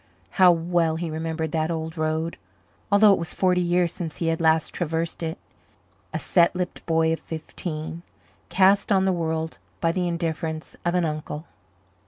How well he remembered that old road, although it was forty years since he had last traversed it, a set lipped boy of fifteen, cast on the world by the indifference of an uncle.